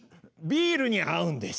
ビールに合うんです。